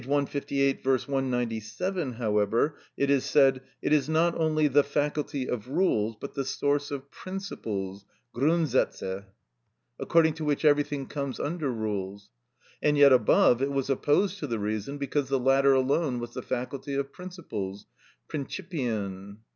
158; V. 197, however, it is said: "It is not only the faculty of rules, but the source of principles (Grundsätze) according to which everything comes under rules;" and yet above it was opposed to the reason because the latter alone was the faculty of principles (Principien).